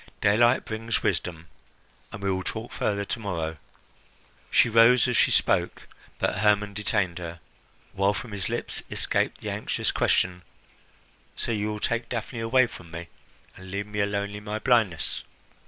Daylight brings wisdom, and we will talk further to morrow." She rose as she spoke; but Hermon detained her, while from his lips escaped the anxious question, "So you will take Daphne away from me, and leave me alone in my blindness?"